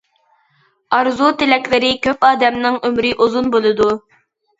ئارزۇ-تىلەكلىرى كۆپ ئادەمنىڭ ئۆمرى ئۇزۇن بولىدۇ.